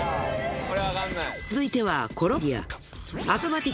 続いてはコロンビア。